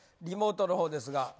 リモートのほうですが。